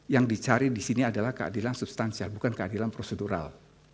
yang dicari di sini adalah keadilan substansial bukan keadilan prosedural